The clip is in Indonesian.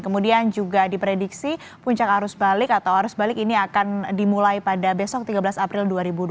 kemudian juga diprediksi puncak arus balik atau arus balik ini akan dimulai pada besok tiga belas april dua ribu dua puluh